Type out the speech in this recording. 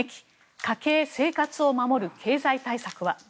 家計・生活を守る経済対策は？